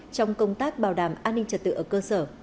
trong công tác bảo đảm an ninh trật tự ở cơ sở